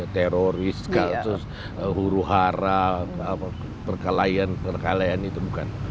teroris kasus huru hara perkelahian perkelahian itu bukan